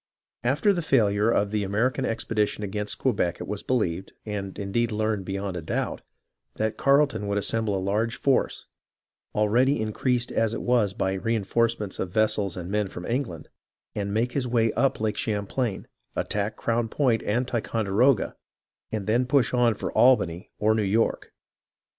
After the failure of the American expedition against Quebec it was believed, and indeed learned beyond a doubt, that Carleton would assemble a large force, already increased as it was by reenforcements of vessels and men from England, make his way up Lake Champlain, attack Crown Point and Ticonderoga, and then push on for Albany or New York.